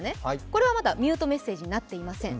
これはまだミュートメッセージになっていません。